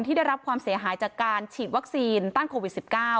ได้รับความเสียหายจากการฉีดวัคซีนต้านโควิด๑๙